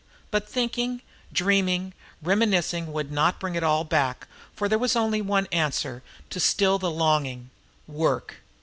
But thinking, dreaming, reminiscing would not bring it all back for there was only one answer to still the longing: work.